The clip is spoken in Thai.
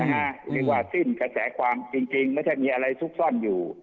เรียกว่าสิ้นกระแสความจริงไม่ใช่มีอะไรซุกซ่อนอยู่